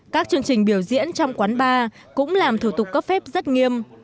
các chương trình biểu diễn trong quán bar cũng làm thủ tục cấp phép rất nghiêm